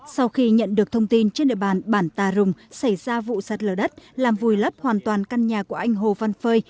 sau khi nhận được thông tin trên địa bàn bản tà rùng xảy ra vụ sạt lở đất làm vùi lấp hoàn toàn căn nhà của anh hồ văn phơi